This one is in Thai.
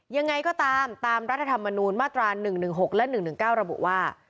ยังไงก็ตามตามรัฐธรรมนูญมาตรา๑๑๖และ๑๑๙ระบุว่า